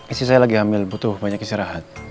istri saya lagi hamil butuh banyak istri rahat